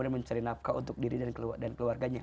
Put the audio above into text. dan tetap ke untuk diri dan keluarganya